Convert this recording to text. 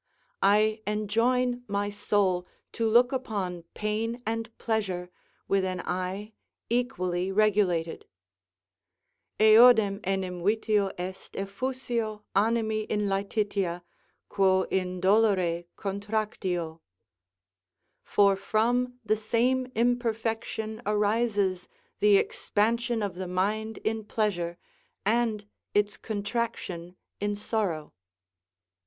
I enjoin my soul to look upon pain and pleasure with an eye equally regulated: "Eodem enim vitio est effusio animi in laetitia quo in dolore contractio," ["For from the same imperfection arises the expansion of the mind in pleasure and its contraction in sorrow."